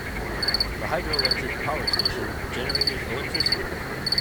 The hydroelectric power station generated electricity.